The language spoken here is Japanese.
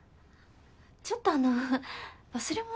ちょっとあの忘れ物。